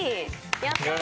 やったー！